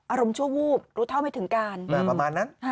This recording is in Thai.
ชั่ววูบรู้เท่าไม่ถึงการประมาณนั้น